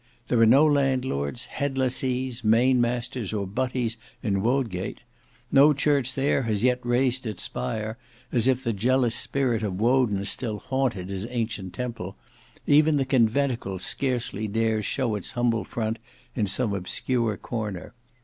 There are no landlords, head lessees, main masters, or butties in Wodgate. No church there has yet raised its spire; and as if the jealous spirit of Woden still haunted his ancient temple, even the conventicle scarcely dares show its humble front in some obscure corner.